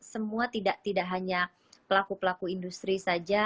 semua tidak hanya pelaku pelaku industri saja